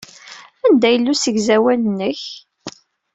Anda yella usegzawal-nnek?